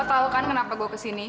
tau kan kenapa gue kesini